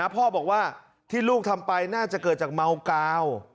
พ่อบอกว่าที่ลูกทำไปน่าจะเกิดจากเมากาว